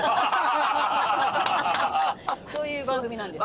そういう番組なんです。